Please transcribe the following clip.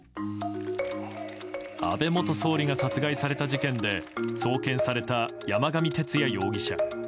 安倍元総理が殺害された事件で送検された山上徹也容疑者。